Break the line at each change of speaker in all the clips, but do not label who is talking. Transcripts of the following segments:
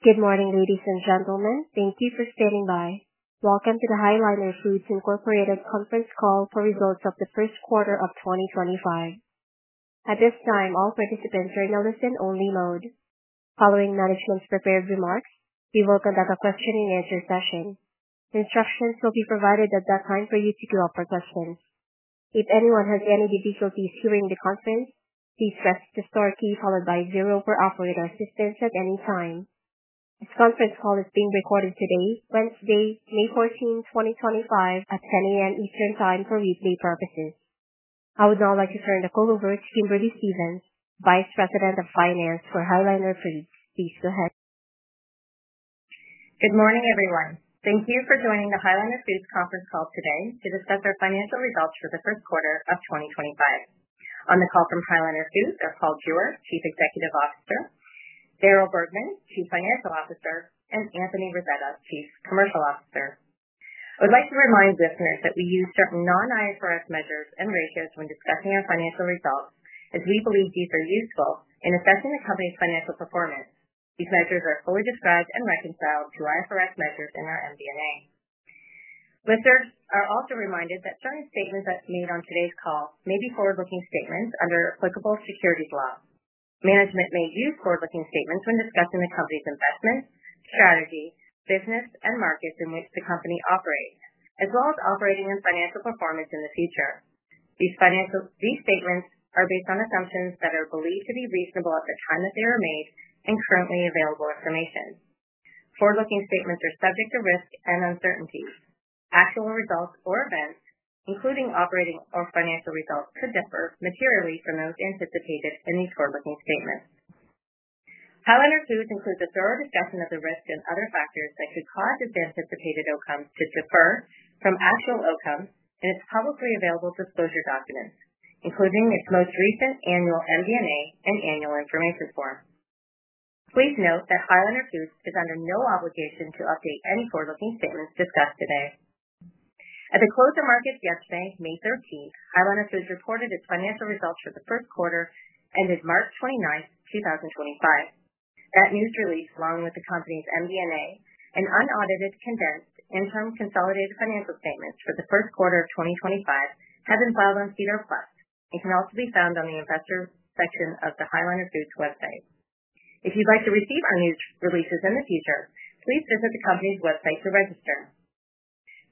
Good morning, ladies and gentlemen. Thank you for standing by. Welcome to the High Liner Foods Inc conference call for results of the first quarter of 2025. At this time, all participants are in a listen-only mode. Following management's prepared remarks, we will conduct a question-and-answer session. Instructions will be provided at that time for you to drop your questions. If anyone has any difficulties hearing the conference, please press the star key followed by zero for offering assistance at any time. This conference call is being recorded today, Wednesday, May 14, 2025, at 10:00 A.M. Eastern Time for replay purposes. I would now like to turn the call over to Kimberly Stephens, Vice President of Finance for High Liner Foods. Please go ahead.
Good morning, everyone. Thank you for joining the High Liner Foods conference call today to discuss our financial results for the first quarter of 2025. On the call from High Liner Foods are Paul Jewer, Chief Executive Officer, Darryl Bergman, Chief Financial Officer, and Anthony Rasetta, Chief Commercial Officer. I would like to remind listeners that we use certain non-IFRS measures and ratios when discussing our financial results, as we believe these are useful in assessing the company's financial performance. These measures are fully described and reconciled to IFRS measures in our MD&A. Listeners are also reminded that certain statements that are made on today's call may be forward-looking statements under applicable securities law. Management may use forward-looking statements when discussing the company's investment, strategy, business, and markets in which the company operates, as well as operating and financial performance in the future. These statements are based on assumptions that are believed to be reasonable at the time that they are made and currently available information. Forward-looking statements are subject to risk and uncertainties. Actual results or events, including operating or financial results, could differ materially from those anticipated in these forward-looking statements. High Liner Foods includes a thorough discussion of the risks and other factors that could cause its anticipated outcomes to differ from actual outcomes, and it is publicly available in disclosure documents, including its most recent annual MD&A and annual information form. Please note that High Liner Foods is under no obligation to update any forward-looking statements discussed today. At the close of markets yesterday, May 13, High Liner Foods reported its financial results for the first quarter ended March 29, 2025. That news release, along with the company's MD&A and unaudited condensed consolidated financial statements for the first quarter of 2025, have been filed on SEDAR+ and can also be found on the investor section of the High Liner Foods website. If you'd like to receive our news releases in the future, please visit the company's website to register.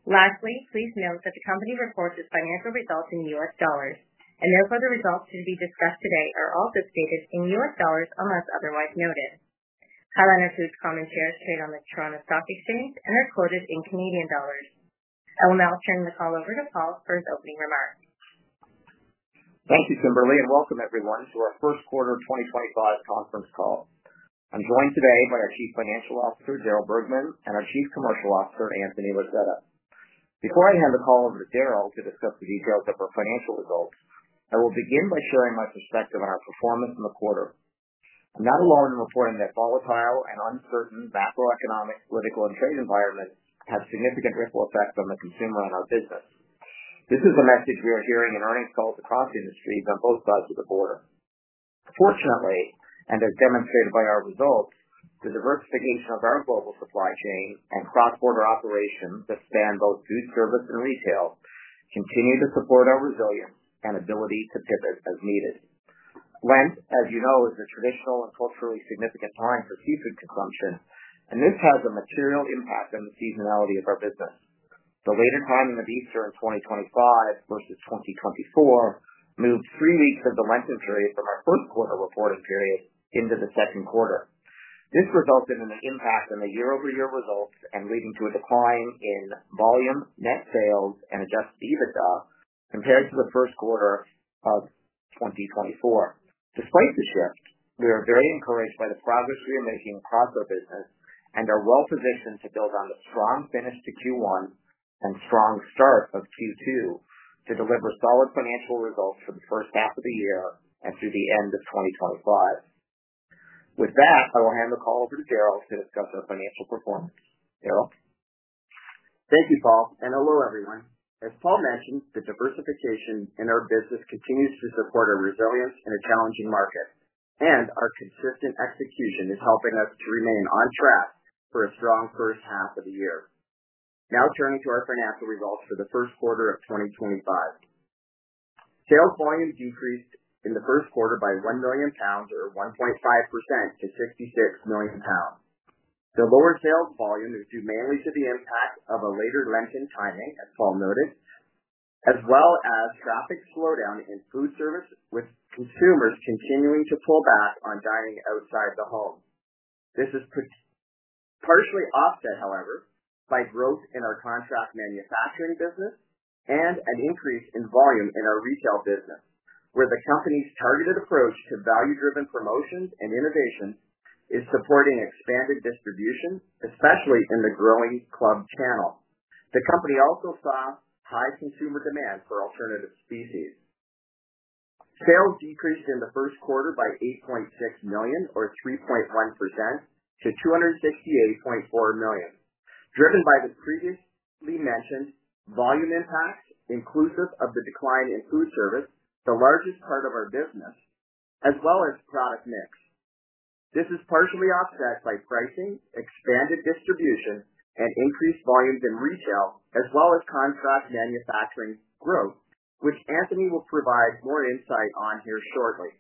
Lastly, please note that the company reports its financial results in U.S. dollars, and therefore the results to be discussed today are also stated in U.S. dollars unless otherwise noted. High Liner Foods shares trade on the Toronto Stock Exchange and are quoted in CAD. I will now turn the call over to Paul for his opening remarks.
Thank you, Kimberly, and welcome everyone to our first quarter of 2025 conference call. I'm joined today by our Chief Financial Officer, Darryl Bergman, and our Chief Commercial Officer, Anthony Rasetta. Before I hand the call over to Darryl to discuss the details of our financial results, I will begin by sharing my perspective on our performance in the quarter. I'm not alone in reporting that volatile and uncertain macroeconomic, political, and trade environments have significant ripple effects on the consumer and our business. This is a message we are hearing in earnings calls across industries and both sides of the border. Fortunately, and as demonstrated by our results, the diversification of our global supply chain and cross-border operations that span both food service and retail continue to support our resilience and ability to pivot as needed. Lent, as you know, is a traditional and culturally significant time for seafood consumption, and this has a material impact on the seasonality of our business. The later timing of Easter in 2025 versus 2024 moved three weeks of the Lenten period from our first quarter reporting period into the second quarter. This resulted in an impact on the year-over-year results and leading to a decline in volume, net sales, and adjusted EBITDA compared to the first quarter of 2024. Despite the shift, we are very encouraged by the progress we are making across our business and are well positioned to build on the strong finish to Q1 and strong start of Q2 to deliver solid financial results for the first half of the year and through the end of 2025. With that, I will hand the call over to Darryl to discuss our financial performance. Darryl?
Thank you, Paul, and hello everyone. As Paul mentioned, the diversification in our business continues to support our resilience in a challenging market, and our consistent execution is helping us to remain on track for a strong first half of the year. Now turning to our financial results for the first quarter of 2025. Sales volume decreased in the first quarter by 1 million pounds or 1.5% to 66 million pounds. The lower sales volume is due mainly to the impact of a later Lenten timing, as Paul noted, as well as traffic slowdown in food service, with consumers continuing to pull back on dining outside the home. This is partially offset, however, by growth in our contract manufacturing business and an increase in volume in our retail business, where the company's targeted approach to value-driven promotions and innovation is supporting expanded distribution, especially in the growing club channel. The company also saw high consumer demand for alternative species. Sales decreased in the first quarter by 8.6 million or 3.1% to 268.4 million, driven by the previously mentioned volume impacts, inclusive of the decline in food service, the largest part of our business, as well as product mix. This is partially offset by pricing, expanded distribution, and increased volumes in resale, as well as contract manufacturing growth, which Anthony will provide more insight on here shortly.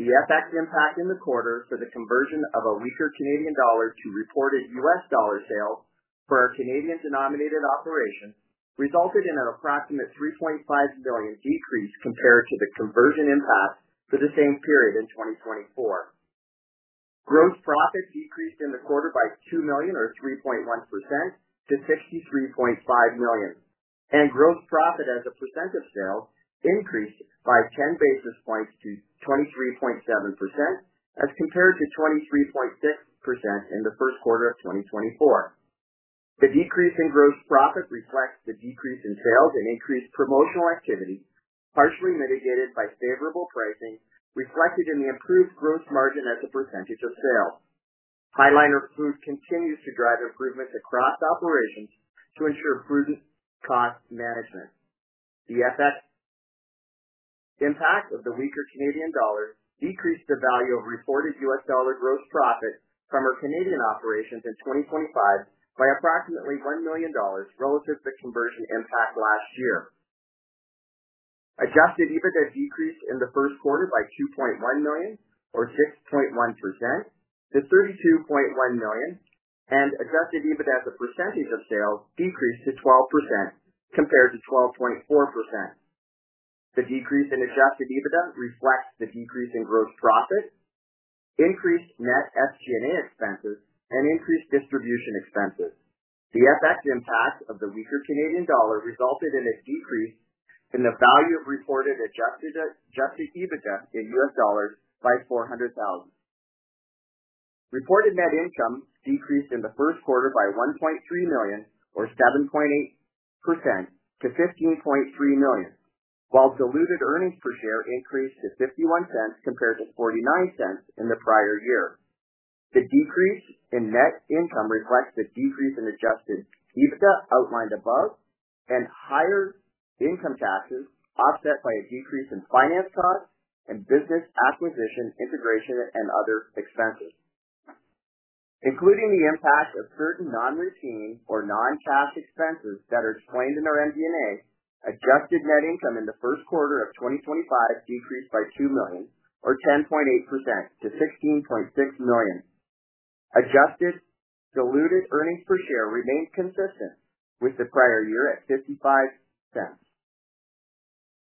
The effect impact in the quarter for the conversion of a lesser Canadian dollar to reported U.S. dollar sales for a Canadian-denominated operation resulted in an approximate 3.5 million decrease compared to the conversion impact for the same period in 2024. Gross profit decreased in the quarter by 2 million or 3.1% to 63.5 million, and gross profit as a percentage of sales increased by 10 basis points to 23.7% as compared to 23.6% in the first quarter of 2024. The decrease in gross profit reflects the decrease in sales and increased promotional activity, partially mitigated by favorable pricing reflected in the improved gross margin as a percentage of sales. High Liner Foods continues to drive improvements across operations to ensure prudent cost management. The impact of the weaker Canadian dollar decreased the value of reported U.S. dollar gross profit from our Canadian operations in 2024 by approximately $1 million relative to conversion impact last year. Adjusted EBITDA decreased in the first quarter by 2.1 million or 6.1% to 32.1 million, and adjusted EBITDA as a percentage of sales decreased to 12% compared to 12.4%. The decrease in adjusted EBITDA reflects the decrease in gross profit, increased net FG&A expenses, and increased distribution expenses. The effect of the weaker Canadian dollar resulted in a decrease in the value of reported adjusted EBITDA in U.S. dollars by $400,000. Reported net income decreased in the first quarter by $1.3 million or 7.8% to $15.3 million, while diluted earnings per share increased to $0.51 compared to $0.49 in the prior year. The decrease in net income reflects the decrease in adjusted EBITDA outlined above and higher income taxes, offset by a decrease in finance costs and business acquisition integration and other expenses. Including the impact of certain non-routine or non-cash expenses that are explained in our MD&A, adjusted net income in the first quarter of 2025 decreased by $2 million or 10.8% to $16.6 million. Adjusted diluted earnings per share remained consistent with the prior year at $0.55.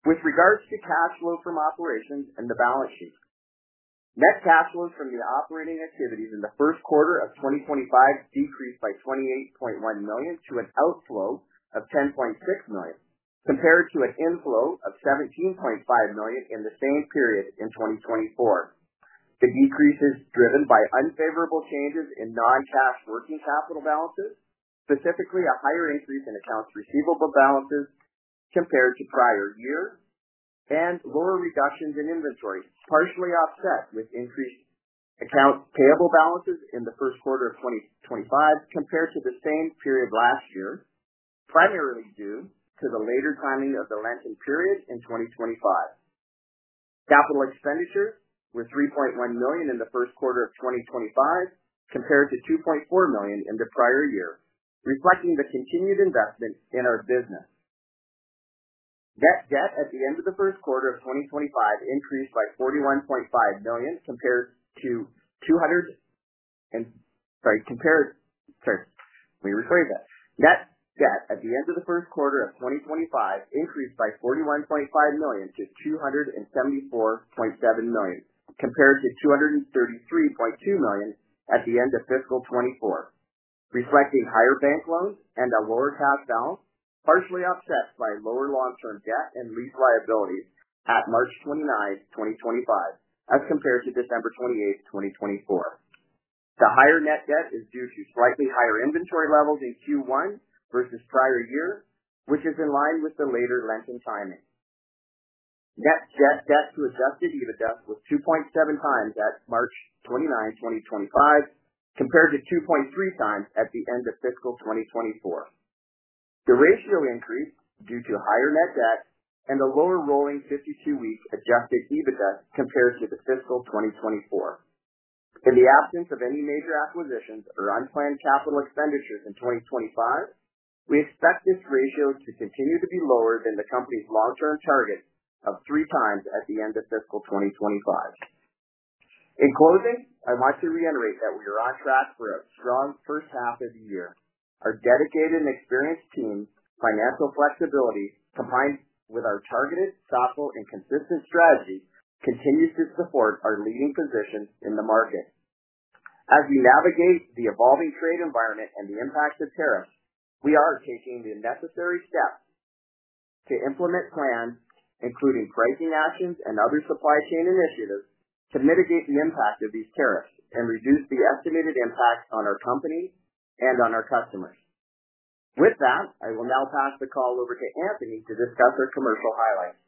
With regards to cash flow from operations and the balance sheet, net cash flows from operating activities in the first quarter of 2025 decreased by 28.1 million to an outflow of 10.6 million compared to an inflow of 17.5 million in the same period in 2024. The decrease is driven by unfavorable changes in non-cash working capital balances, specifically a higher increase in accounts receivable balances compared to prior year, and lower reductions in inventory. Partially offset with increased accounts payable balances in the first quarter of 2025 compared to the same period last year, primarily due to the later timing of the Lenten period in 2025. Capital expenditure was 3.1 million in the first quarter of 2025 compared to 2.4 million in the prior year, reflecting the continued investment in our business. Net debt at the end of the first quarter of 2025 increased by 41.5 million to 274.7 million compared to 233.2 million at the end of fiscal 2024, reflecting higher bank loans and a lower cash balance, partially offset by lower long-term debt and lease liabilities at March 29th, 2025, as compared to December 28th, 2024. The higher net debt is due to slightly higher inventory levels in Q1 versus prior year, which is in line with the later Lenten timing. Net debt to adjusted EBITDA was 2.7 times at March 29th, 2025, compared to 2.3 times at the end of fiscal 2024. The ratio increased due to higher net debt and the lower rolling 52-week adjusted EBITDA compared to the fiscal 2024. In the absence of any major acquisitions or unplanned capital expenditures in 2025, we expect this ratio to continue to be lower than the company's long-term target of three times at the end of fiscal 2025. In closing, I want to reiterate that we are on track for a strong first half of the year. Our dedicated and experienced team, financial flexibility combined with our targeted, thoughtful, and consistent strategy continues to support our leading positions in the market. As we navigate the evolving trade environment and the impact of tariffs, we are taking the necessary steps to implement plans, including pricing actions and other supply chain initiatives, to mitigate the impact of these tariffs and reduce the estimated impact on our company and on our customers. With that, I will now pass the call over to Anthony to discuss our commercial highlights.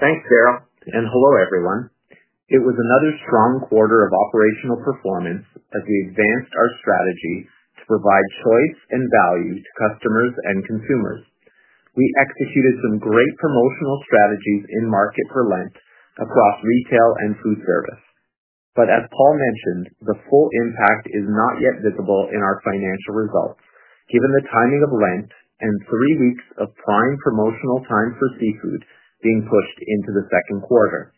Thanks, Darryl, and hello everyone. It was another strong quarter of operational performance as we advanced our strategy to provide choice and value to customers and consumers. We executed some great promotional strategies in market for Lent across retail and food service. As Paul mentioned, the full impact is not yet visible in our financial results, given the timing of Lent and three weeks of prime promotional time for seafood being pushed into the second quarter.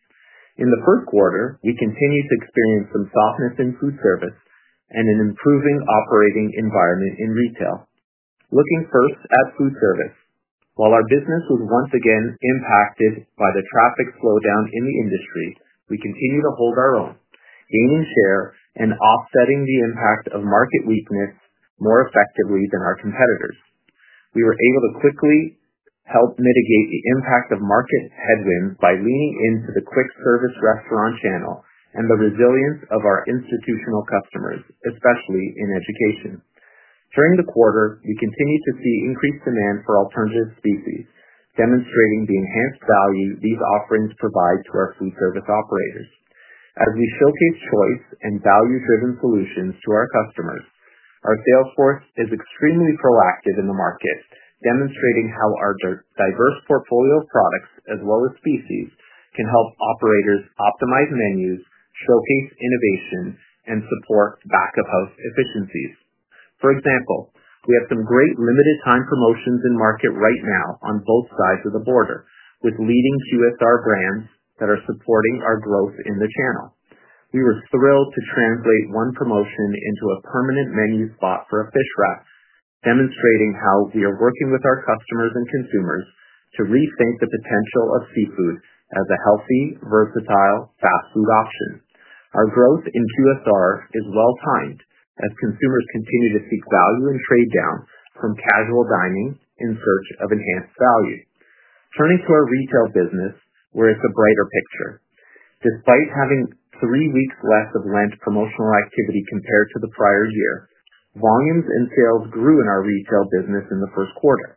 In the first quarter, we continued to experience some softness in food service and an improving operating environment in retail. Looking first at food service, while our business was once again impacted by the traffic slowdown in the industry, we continue to hold our own, gaining share and offsetting the impact of market weakness more effectively than our competitors. We were able to quickly help mitigate the impact of market headwinds by leaning into the quick service restaurant channel and the resilience of our institutional customers, especially in education. During the quarter, we continued to see increased demand for alternative species, demonstrating the enhanced value these offerings provide to our food service operators. As we showcase choice and value-driven solutions to our customers, our sales force is extremely proactive in the market, demonstrating how our diverse portfolio of products, as well as species, can help operators optimize menus, showcase innovation, and support back-of-house efficiencies. For example, we have some great limited-time promotions in market right now on both sides of the border, with leading QSR brands that are supporting our growth in the channel. We were thrilled to translate one promotion into a permanent menu spot for a fish wrap, demonstrating how we are working with our customers and consumers to rethink the potential of seafood as a healthy, versatile fast food option. Our growth in QSR is well-timed as consumers continue to seek value and trade down from casual dining in search of enhanced value. Turning to our retail business, where it is a brighter picture. Despite having three weeks less of Lent promotional activity compared to the prior year, volumes and sales grew in our retail business in the first quarter.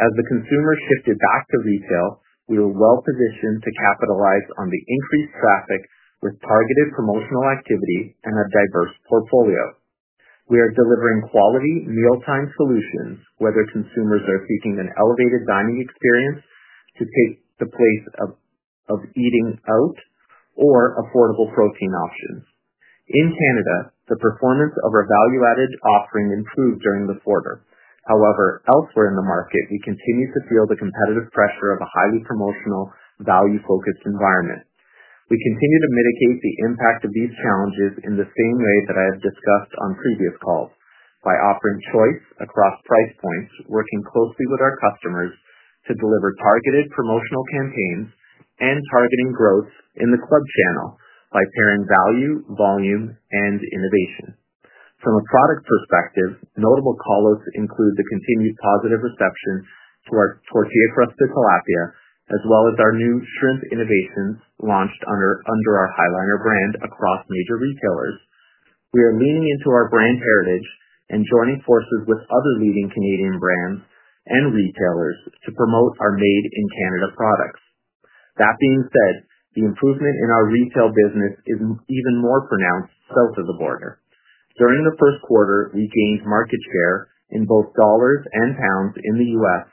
As the consumers shifted back to retail, we were well-positioned to capitalize on the increased traffic with targeted promotional activity and a diverse portfolio. We are delivering quality mealtime solutions, whether consumers are seeking an elevated dining experience to take the place of eating out or affordable protein options. In Canada, the performance of our value-added offering improved during the quarter. However, elsewhere in the market, we continue to feel the competitive pressure of a highly promotional, value-focused environment. We continue to mitigate the impact of these challenges in the same way that I have discussed on previous calls, by offering choice across price points, working closely with our customers to deliver targeted promotional campaigns and targeting growth in the club channel by pairing value, volume, and innovation. From a product perspective, notable callouts include the continued positive reception to our tortilla crust tilapia, as well as our new shrimp innovations launched under our High Liner brand across major retailers. We are leaning into our brand heritage and joining forces with other leading Canadian brands and retailers to promote our made-in-Canada products. That being said, the improvement in our retail business is even more pronounced south of the border. During the first quarter, we gained market share in both dollars and pounds in the U.S.,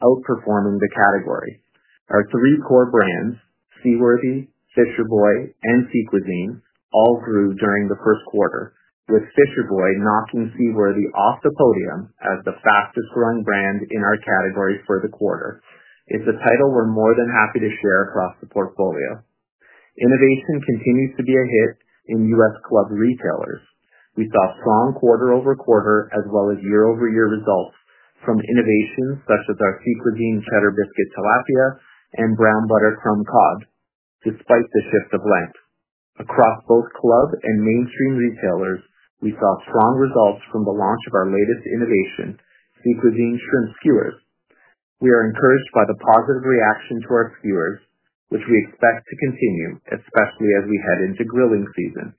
outperforming the category. Our three core brands, Seaworthy, Fisher Boy, and Sea Cuisine, all grew during the first quarter, with Fisher Boy knocking Seaworthy off the podium as the fastest-growing brand in our category for the quarter. It's a title we're more than happy to share across the portfolio. Innovation continues to be a hit in U.S. Club retailers. We saw strong quarter-over-quarter, as well as year-over-year results from innovations such as our Sea Cuisine Cheddar Biscuit Tilapia and Brown Butter Crumb Cod, despite the shifts of Lent. Across both Club and mainstream retailers, we saw strong results from the launch of our latest innovation, Sea Cuisine Shrimp Skewers. We are encouraged by the positive reaction to our skewers, which we expect to continue, especially as we head into grilling season.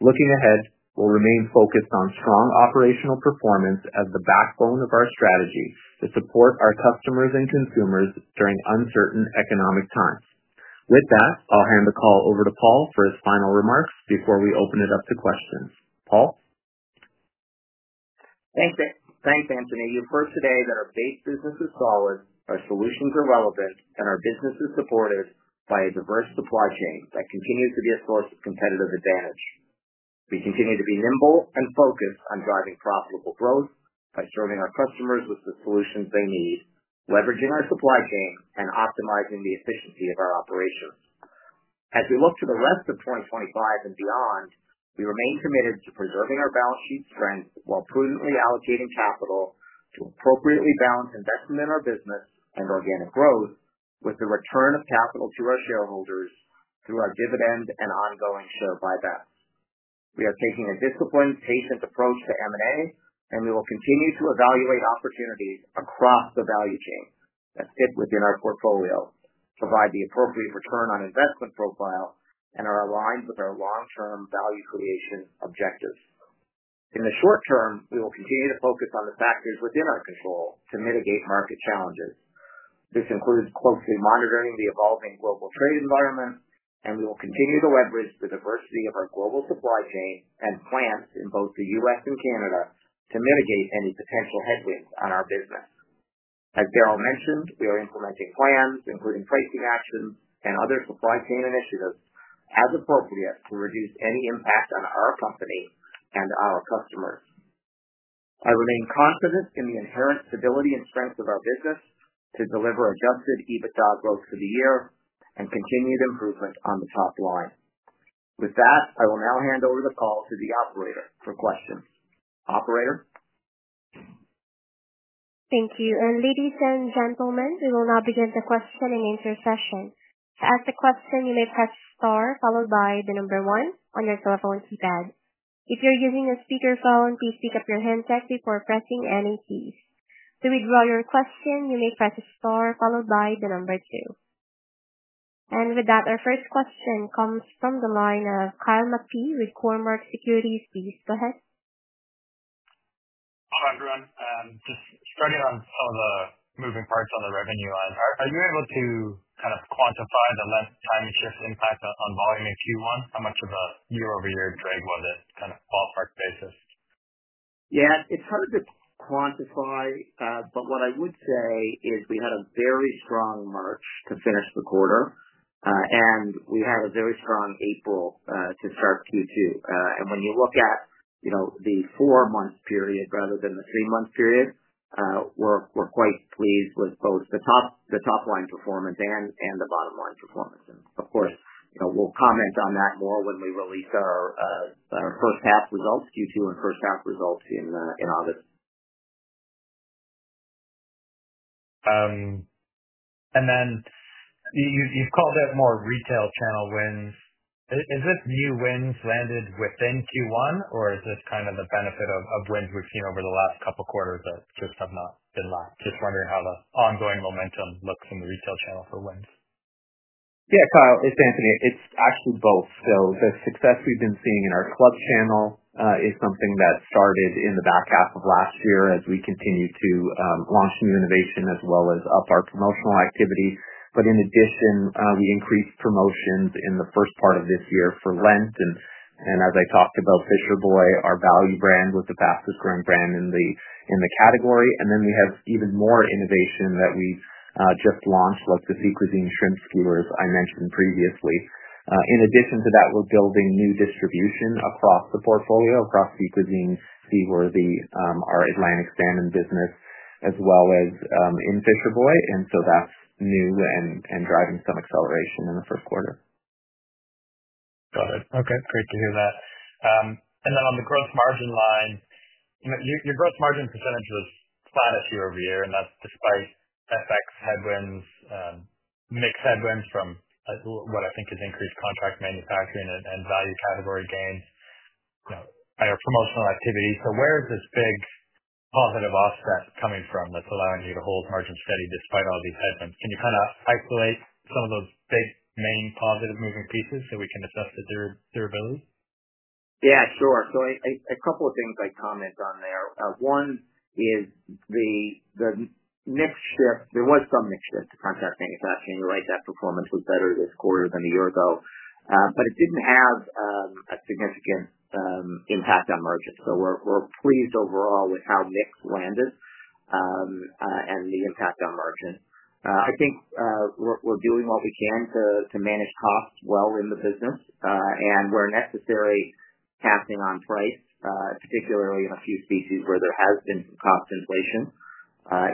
Looking ahead, we'll remain focused on strong operational performance as the backbone of our strategy to support our customers and consumers during uncertain economic times. With that, I'll hand the call over to Paul for his final remarks before we open it up to questions. Paul.
Thanks, Anthony. You've heard today that our base business is solid, our solutions are relevant, and our business is supported by a diverse supply chain that continues to be a source of competitive advantage. We continue to be nimble and focused on driving profitable growth by serving our customers with the solutions they need, leveraging our supply chain, and optimizing the efficiency of our operations. As we look to the rest of 2025 and beyond, we remain committed to preserving our balance sheet strength while prudently allocating capital to appropriately balance investment in our business and organic growth with the return of capital to our shareholders through our dividend and ongoing share buyback. We are taking a disciplined, patient approach to M&A, and we will continue to evaluate opportunities across the value chain that fit within our portfolio, provide the appropriate return on investment profile, and are aligned with our long-term value creation objectives. In the short term, we will continue to focus on the factors within our control to mitigate market challenges. This includes closely monitoring the evolving global trade environment, and we will continue to leverage the diversity of our global supply chain and plants in both the U.S. and Canada to mitigate any potential headwinds on our business. As Darryl mentioned, we are implementing plans, including pricing actions and other supply chain initiatives as appropriate to reduce any impact on our company and our customers. I remain confident in the inherent stability and strength of our business to deliver adjusted EBITDA growth for the year and continued improvements on the top line. With that, I will now hand over the call to the operator for questions. Operator.
Thank you. Ladies and gentlemen, we will now begin the question and answer session. To ask a question, you may press star followed by the number one on your cell phone keypad. If you're using a speakerphone, please pick up your handset before pressing any keys. To withdraw your question, you may press star followed by the number two. With that, our first question comes from the line of Kyle McPhee with Cormark Securities. Please go ahead.
Starting on some of the moving parts on the revenue line, are you able to kind of quantify the Lent time-shift impact on volume in Q1? How much of the year-over-year drag was it, kind of ballpark basis?
Yeah, it's hard to quantify, but what I would say is we had a very strong March to finish the quarter, and we had a very strong April to start Q2. When you look at, you know, the four-month period rather than the three-month period, we're quite pleased with both the top line performance and the bottom line performance. Of course, we'll comment on that more when we release our first half results, Q2 and first half results in August.
Then you've called it more retail channel wins. Is this new wins landed within Q1, or is this kind of the benefit of wins we've seen over the last couple of quarters that have not been last? Just wondering how the ongoing momentum looks in the retail channel for wins.
Yeah, Kyle, it's Anthony. It's actually both. The success we've been seeing in our club channel is something that started in the back half of last year as we continue to launch new innovation as well as up our promotional activity. In addition, we increased promotions in the first part of this year for Lent. As I talked about Fisher Boy, our value brand with the fastest-growing brand in the category. We have even more innovation that we just launched, like the Sea Cuisine Shrimp Skewers I mentioned previously. In addition to that, we're building new distribution across the portfolio, across Sea Cuisine, Seaworthy, our Atlantic salmon business, as well as in Fisher Boy. That's new and driving some acceleration in the first quarter. Got it. Okay, great to hear that. On the gross margin line, your gross margin percentage was flat year-over-year, and that's despite FX headwinds, mixed headwinds from what I think is increased contract manufacturing and value category gains, you know, and our promotional activity. Where is this big positive offset coming from that's allowing you to hold margins steady despite all these headwinds? Can you kind of isolate some of those big main positive moving pieces so we can assess the durability?
Yeah, sure. A couple of things I'd comment on there. One is the mix shift. There was some mix shift to contract manufacturing. We like that performance was better this quarter than a year ago, but it did not have a significant impact on margins. We are pleased overall with how mix landed and the impact on margin. I think we are doing what we can to manage costs well in the business and where necessary capping on price, particularly in a few species where there has been some cost inflation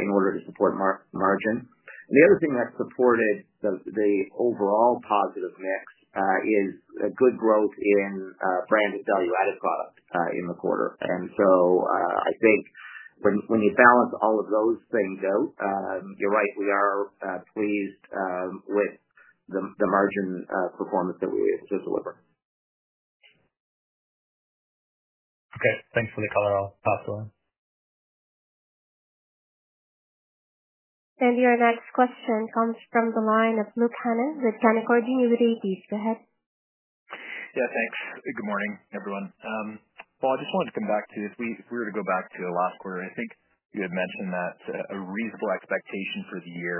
in order to support margin. The other thing that supported the overall positive mix is good growth in branded value-added product in the quarter. I think when you balance all of those things out, you are right, we are pleased with the margin performance that we have delivered.
Okay, thanks for the call. I will pass it on.
Your next question comes from the line of please. Go ahead.
Yeah, thanks. Good morning, everyone.
Paul, I just wanted to come back to, if we were to go back to the last quarter, I think you had mentioned that a reasonable expectation for the year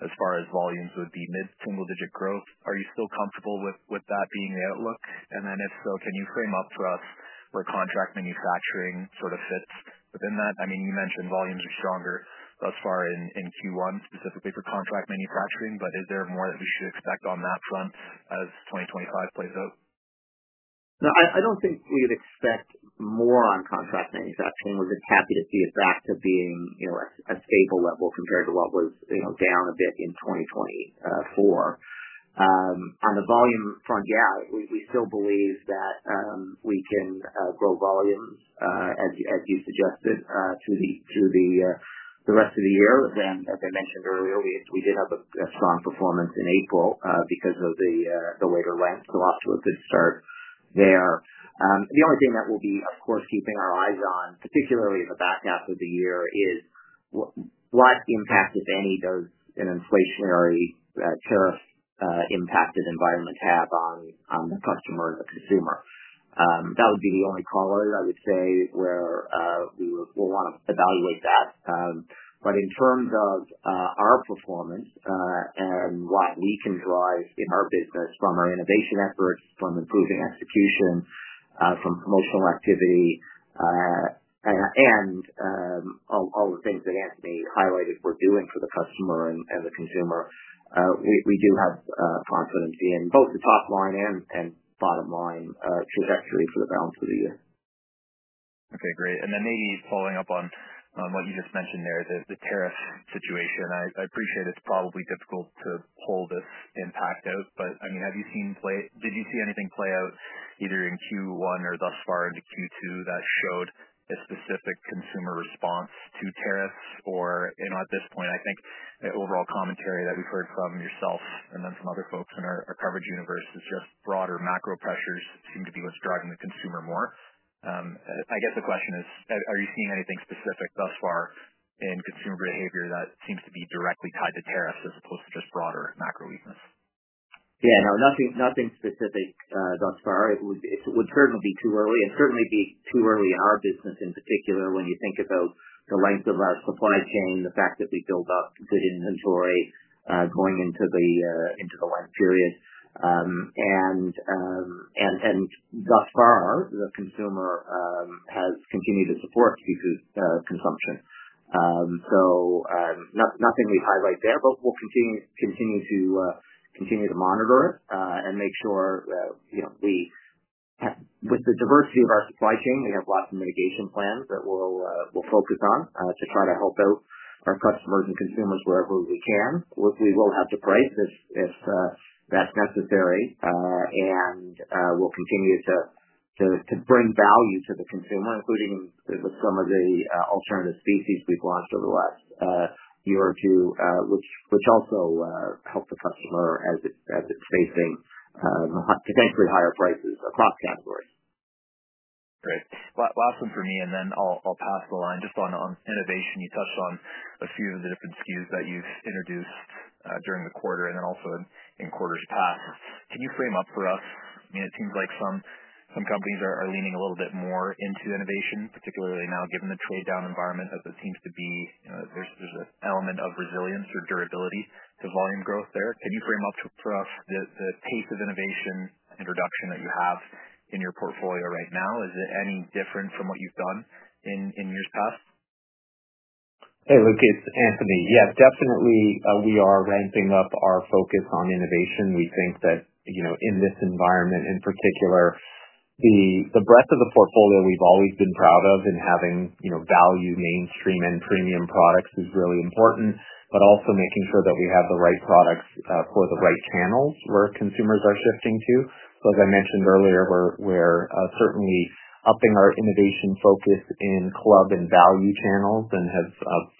as far as volumes would be mid-single-digit growth. Are you still comfortable with that being the outlook? If so, can you frame up for us where contract manufacturing sort of fits within that? I mean, you mentioned volumes are stronger thus far in Q1, specifically for contract manufacturing, but is there more that we should expect on that front as 2025 plays out? No, I do not think we would expect more on contract manufacturing. We are just happy to see it back to being a stable level compared to what was down a bit in 2024. On the volume front, yeah, we still believe that we can grow volume, as you suggested, through the rest of the year. As I mentioned earlier, we did have a strong performance in April because of the later Lent. Lots of a good start there. The only thing that we'll be, of course, keeping our eyes on, particularly in the back half of the year, is what impact, if any, does an inflationary tariff-impacted environment have on the customer consumer. That would be the only caller, I would say, where we will want to evaluate that. In terms of our performance and what we can drive in our business from our innovation efforts, from improving execution, from promotional activity, and all the things that Anthony highlighted we're doing for the customer and the consumer, we do have confidence in both the top line and bottom line trajectory for the balance of the year.
Okay, great. Maybe following up on what you just mentioned there, the tariff situation. I appreciate it's probably difficult to pull this impact out, but I mean, have you seen play? Did you see anything play out either in Q1 or thus far into Q2 that showed a specific consumer response to tariffs? Or at this point, I think the overall commentary that we've heard from yourself and then from other folks in our coverage universe is just broader macro pressures seem to be what's driving the consumer more. I guess the question is, are you seeing anything specific thus far in consumer behavior that seems to be directly tied to tariffs as opposed to just broader macro weakness?
Yeah, no, nothing specific thus far. It would certainly be too early, and certainly be too early in our business in particular when you think about the length of our supply chain, the fact that we build up good inventory going into the Lent period. Thus far, the consumer has continued to support consumption. Nothing we'd highlight there, but we'll continue to monitor it and make sure with the diversity of our supply chain, we have lots of mitigation plans that we'll focus on to try to help out our customers and consumers wherever we can. We will have to price if that's necessary, and we'll continue to bring value to the consumer, including with some of the alternative species we've launched over the last year or two, which also help the customer as it's facing potentially higher prices across categories.
Great. Awesome for me. I'll pass the line just on this innovation. You touched on a few of the different SKUs that you've introduced during the quarter and also in quarters past. Can you frame up for us? I mean, it seems like some companies are leaning a little bit more into innovation, particularly now given the trade-down environment that there seems to be an element of resilience or durability to volume growth there. Can you frame up for us the pace of innovation introduction that you have in your portfolio right now? Is it any different from what you've done in years past?
Hey, look, it's Anthony. Yes, definitely, we are ramping up our focus on innovation. We think that in this environment in particular, the breadth of the portfolio we've always been proud of and having value, mainstream, and premium products is really important, but also making sure that we have the right products for the right channels where consumers are shifting to. As I mentioned earlier, we're certainly upping our innovation focus in club and value channels and have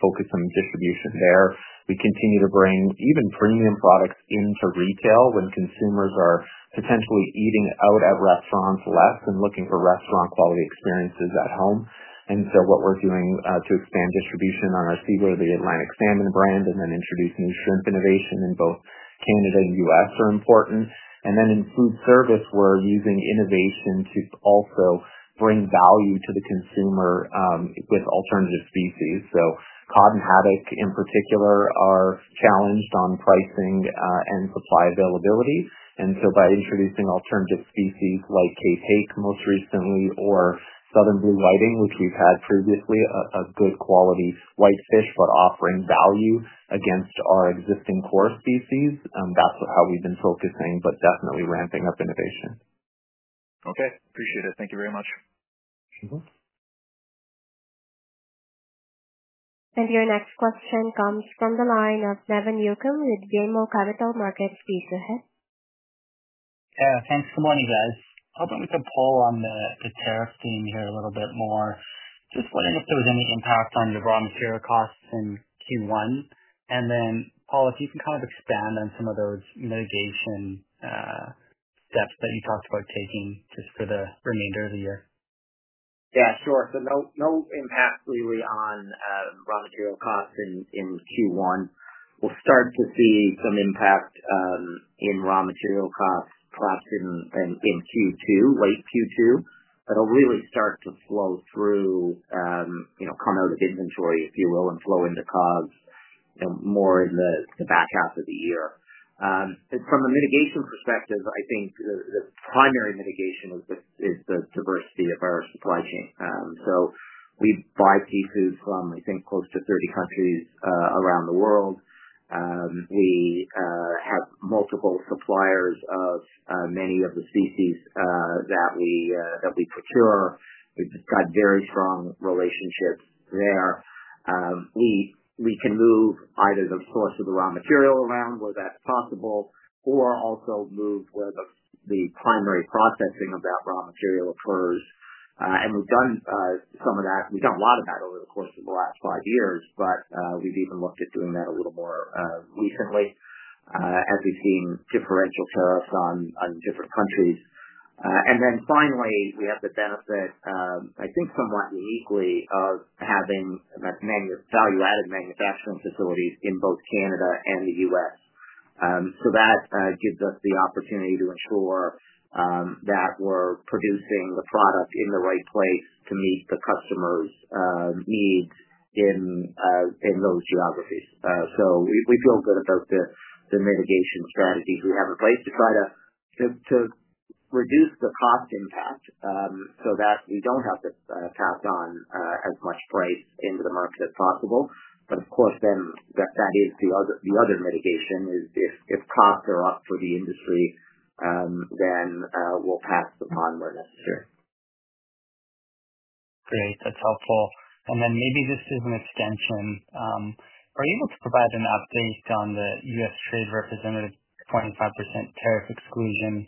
focused on distribution there. We continue to bring even premium products into retail when consumers are potentially eating out at restaurants less and looking for restaurant-quality experiences at home. What we're doing to expand distribution on our Seaworthy Atlantic salmon brand and then introduce new shrimp innovation in both Canada and the U.S. are important. In food service, we're using innovation to also bring value to the consumer with alternative species. Cod and Haddock, in particular, are challenged on pricing and supply availability. By introducing alternative species like Cape Hake most recently or Southern Blue Whiting, which we've had previously, a good quality white fish, but offering value against our existing core species, that's how we've been focusing, but definitely ramping up innovation.
Okay, appreciate it. Thank you very much.
Thank you. Your next question comes from the line of Devin Newcomb with Gilmore Capital Markets. Please go ahead.
Yeah, thanks. Good morning, guys. I thought we could pull on the tariff theme here a little bit more. Just wondering if there was any impact on your raw material costs in Q1. And then, Paul, if you can kind of expand on some of those mitigation steps that you talked about taking just for the remainder of the year.
Yeah, sure. No impact really on raw material costs in Q1. We'll start to see some impact in raw material costs perhaps in Q2, late Q2, but it'll really start to flow through, come out of inventory, if you will, and flow into COGS more in the back half of the year. From a mitigation perspective, I think the primary mitigation is the diversity of our supply chain. We buy pieces from, I think, close to 30 countries around the world. We have multiple suppliers of many of the species that we procure. We've just got very strong relationships there. We can move either the source of the raw material around where that's possible or also move where the primary processing of that raw material occurs. We've done some of that. We've done a lot of that over the course of the last five years, but we've even looked at doing that a little more recently as we've seen differential tariffs on different countries. Finally, we have the benefit, I think somewhat uniquely, of having value-added manufacturing facilities in both Canada and the U.S. That gives us the opportunity to ensure that we're producing the product in the right place to meet the customer's needs in those geographies. We feel good about the mitigation strategies we have in place to try to reduce the cost impact so that we do not have to pass on as much price into the market as possible. Of course, then that is the other mitigation. If costs are up for the industry, then we will pass the pond where necessary.
Great. That is helpful. Maybe this is an extension. Are you able to provide an update on the U.S. trade representative 25% tariff exclusion?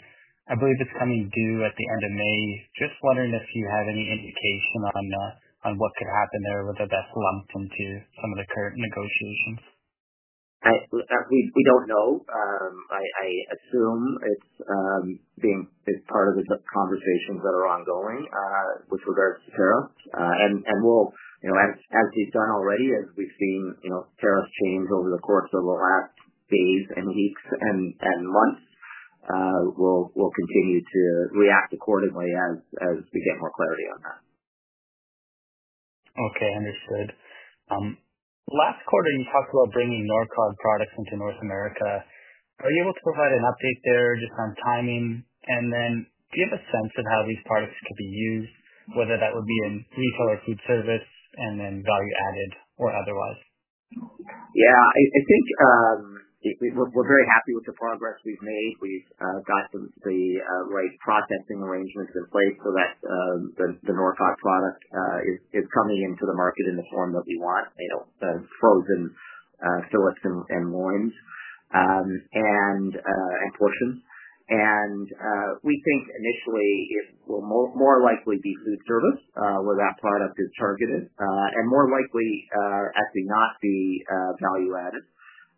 I believe it is coming due at the end of May. Just wondering if you have any indication on what could happen there, whether that is lumped into some of the current negotiations.
We do not know. I assume it is part of the conversations that are ongoing with regards to tariffs. As we have done already, as we have seen tariffs change over the course of the last days and weeks and months, we will continue to react accordingly as we get more clarity on that.
Okay, understood. Last quarter, you talked about bringing Norcod products into North America. Are you able to provide an update there just on timing? Do you have a sense of how these products could be used, whether that would be in retail or food service and then value-added or otherwise?
Yeah, I think we are very happy with the progress we have made. We have got the right processing arrangements in place so that the Norcod product is coming into the market in the form that we want, frozen fillets and loins and portions. We think initially it will more likely be food service where that product is targeted and more likely actually not be value-added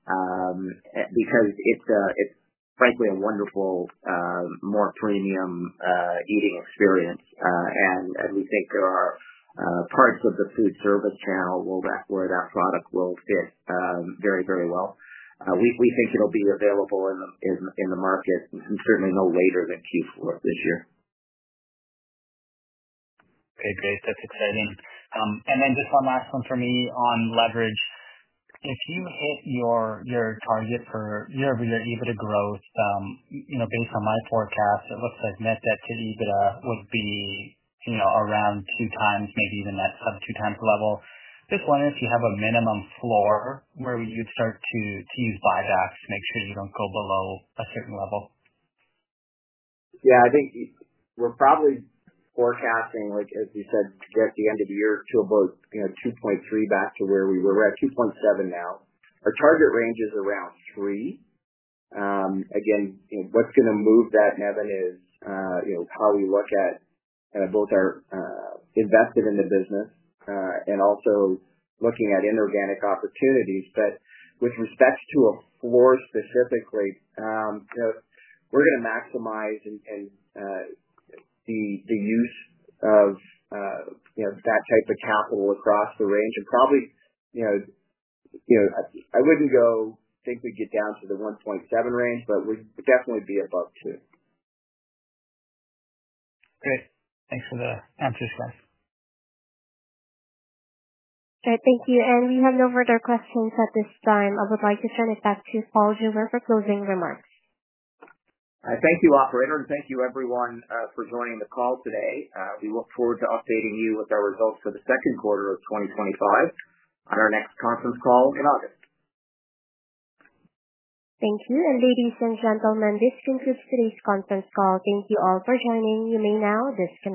because it's frankly a wonderful, more premium eating experience. We think there are parts of the food service channel where that product will fit very, very well. We think it'll be available in the market certainly no later than Q4 of this year.
Okay, great. That's exciting. Just one last one for me on leverage. If you hope your target for year-over-year EBITDA growth, based on my forecast, it looks like net debt to EBITDA would be around two times, maybe even that sub-two times level. Just wondering if you have a minimum floor where you'd start to use buybacks to make sure you don't go below a certain level.
Yeah, I think we're probably forecasting, as you said, at the end of the year, to about 2.3 back to where we were. We're at 2.7 now. Our target range is around 3. Again, what's going to move that, Devin, is how we look at both our invested in the business and also looking at inorganic opportunities. With respect to a floor specifically, we're going to maximize the use of that type of capital across the range. I wouldn't think we'd get down to the 1.7 range, but we'd definitely be above 2.
Okay. Thanks for the answers, guys.
All right. Thank you. We have no further questions at this time. I would like to turn it back to Paul Jewer for closing remarks.
Thank you, operator, and thank you, everyone, for joining the call today. We look forward to updating you with our results for the second quarter of 2025 on our next conference call in August.
Thank you. Ladies and gentlemen, this concludes today's conference call. Thank you all for joining. You may now disconnect.